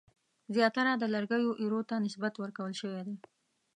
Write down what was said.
زیاتره د لرګیو ایرو ته نسبت ورکول شوی دی.